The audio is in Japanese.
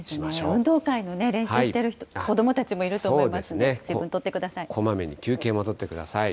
運動会の練習している子どもたちもいると思いますので、水分こまめに休憩も取ってください。